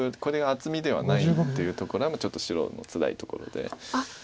これが厚みではないというとこれはもうちょっと白のつらいところで。